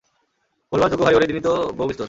ভোলবার যোগ্য ভারি ভারি দিনই তো বহুবিস্তর।